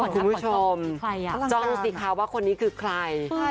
คุณผู้ชมจ้องสิคะว่าคนนี้คือใคร